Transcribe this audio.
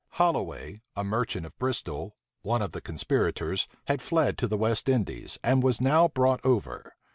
Holloway, a merchant of Bristol, one of the conspirators, had fled to the West Indies, and was now brought over.